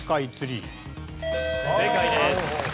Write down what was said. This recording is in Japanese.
正解です。